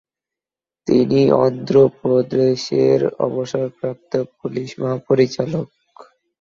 তিনি অন্ধ্র প্রদেশের অবসরপ্রাপ্ত পুলিশ মহাপরিচালক।